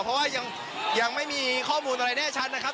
เพราะว่ายังไม่มีข้อมูลอะไรแน่ชัดนะครับ